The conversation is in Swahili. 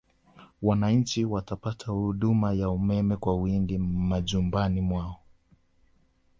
Wananchi watapata huduma ya umeme kwa wingi majumbani mwao